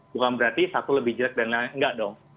bukan berarti satu lebih jelek dan lain lain enggak dong